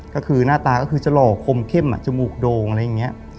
ก็คือหน้าตาก็คือจะหล่อคมเข้มจมูกโด่งอะไรอย่างนี้